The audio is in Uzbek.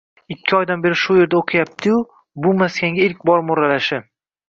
Ikki oydan beri shu joyda o`qiyapti-yu, bu maskanga ilk bor mo`ralashi